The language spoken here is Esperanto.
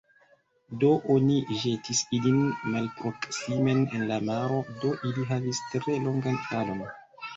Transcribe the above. Do, oni ĵetis ilin malproksimen en la maro; do ili havis tre longan falon.